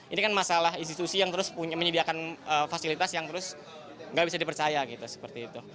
ini kan masalah institusi yang terus menyediakan fasilitas yang terus gak bisa dipercaya gitu